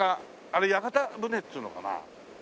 あれ屋形船っていうのかな？